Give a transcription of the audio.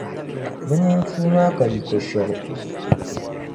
Bɛ nintua maa ka yiko shɛli.